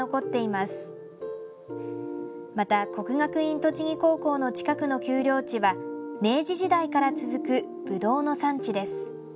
また、国学院栃木高校の近くの丘陵地は明治時代から続くぶどうの産地です。